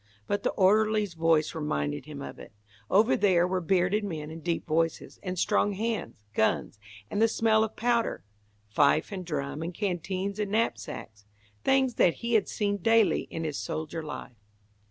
But the orderly's voice reminded him of it. Over there were bearded men and deep voices, and strong hands, guns, and the smell of powder; fife and drum, and canteens and knapsacks; things that he had seen daily in his soldier life.